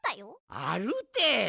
あるて。